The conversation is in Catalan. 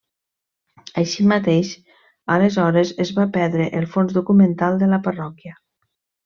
Així mateix, aleshores es va perdre el fons documental de la parròquia.